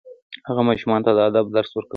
هغه ماشومانو ته د ادب درس ورکوي.